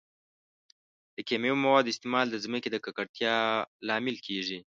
د کیمیاوي موادو استعمال د ځمکې د ککړتیا لامل کیږي.